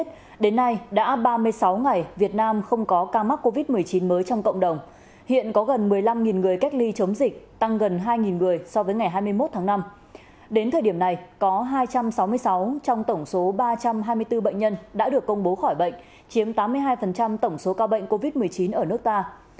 đến thời điểm này có hai trăm sáu mươi sáu trong tổng số ba trăm hai mươi bốn bệnh nhân đã được công bố khỏi bệnh chiếm tám mươi hai tổng số ca bệnh covid một mươi chín ở nước ta